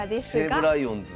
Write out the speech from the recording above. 西武ライオンズ。